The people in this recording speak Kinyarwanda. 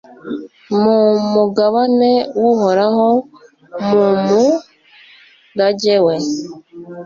mu mugabane w'uhoraho, mu murage we